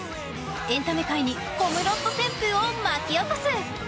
エンタメ界にコムドット旋風を巻き起こす。